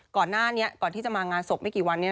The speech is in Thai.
ก่อนหน้านี้ก่อนที่จะมางานศพไม่กี่วันนี้